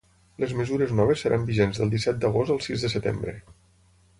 Les mesures noves seran vigents del disset d’agost al sis de setembre.